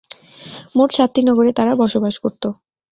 মোট সাতটি নগরে তারা বসবাস করত।